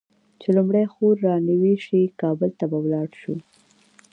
چې لومړۍ خور رانوې شي؛ کابل ته به ولاړ شو.